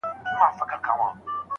که نرخونه لوړ شي خلک به څه خوري؟